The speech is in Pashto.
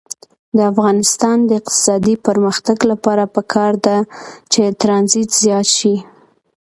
د افغانستان د اقتصادي پرمختګ لپاره پکار ده چې ترانزیت زیات شي.